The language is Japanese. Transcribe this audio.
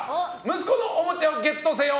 息子のおもちゃをＧＥＴせよ！